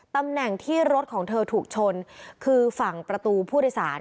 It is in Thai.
ตำแหน่งที่รถของเธอถูกชนคือฝั่งประตูผู้โดยสาร